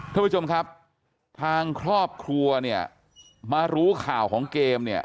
ท่านผู้ชมครับทางครอบครัวเนี่ยมารู้ข่าวของเกมเนี่ย